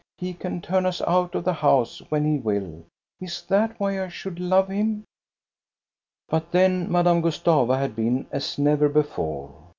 He can turn us out of the house when he will. Is that why I should love him? " But then Madame Gustava had been as never before.'